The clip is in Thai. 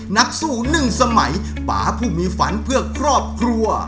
นักสู้หนึ่งสมัยป่าผู้มีฝันเพื่อครอบครัว